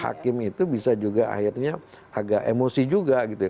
jadi kalau miriam itu bisa juga akhirnya agak emosi juga gitu ya